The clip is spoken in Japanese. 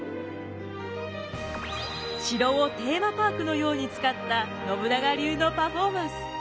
城をテーマパークのように使った信長流のパフォーマンス。